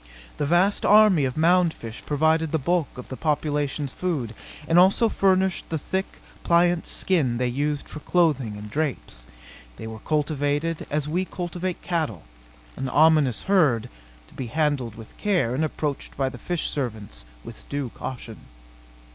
The vast army of mound fish provided the bulk of the population's food, and also furnished the thick, pliant skin they used for clothing and drapes. They were cultivated as we cultivate cattle an ominous herd, to be handled with care and approached by the fish servants with due caution.